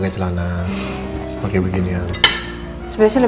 ini sar audience